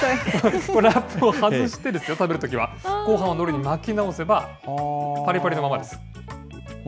ラップを外してですよ、食べるときは、ごはんをのりに巻き直せば、ぱりぱりのままです。